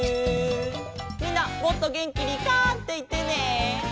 みんなもっとげんきに「カァ」っていってね。